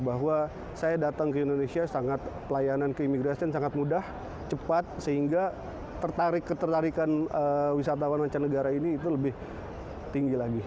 bahwa saya datang ke indonesia pelayanan keimigrasi sangat mudah cepat sehingga ketertarikan wisatawan manca negara ini lebih tinggi lagi